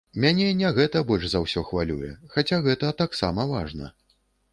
Мяне не гэта больш за ўсё хвалюе, хаця гэта таксама важна.